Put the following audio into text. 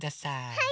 はい！